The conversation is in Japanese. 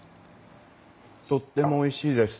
とってもおいしいです。